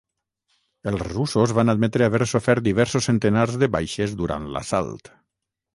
Els russos van admetre haver sofert diversos centenars de baixes durant l'assalt.